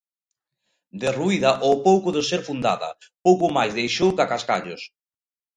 Derruída ao pouco de ser fundada, pouco máis deixou ca cascallos.